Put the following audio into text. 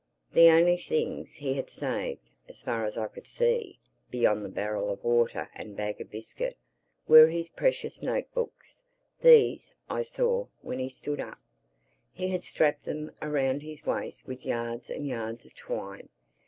The only things he had saved, as far as I could see—beyond the barrel of water and bag of biscuit—were his precious note books. These, I saw when he stood up, he had strapped around his waist with yards and yards of twine.